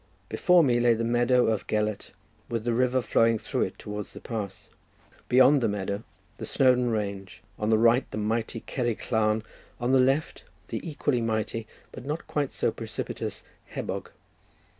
Before me lay the meadow of Gelert, with the river flowing through it towards the pass. Beyond the meadow the Snowdon range; on the right the mighty Cerrig Llan; on the left the equally mighty, but not quite so precipitous, Hebog.